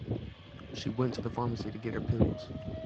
She went to the pharmacy to get her pills.